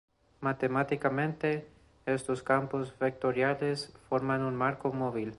Matemáticamente estos campos vectoriales forman un marco móvil.